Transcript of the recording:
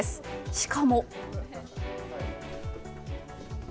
しかも。